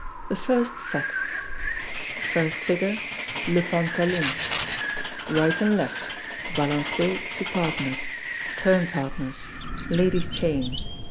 The First Set. First Figure, Le Pantalon. Right and left. Balancez to partners; turn partners. Ladies' chain.